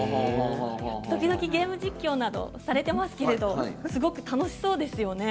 時々ゲーム実況などされていますけれどすごく楽しそうですよね。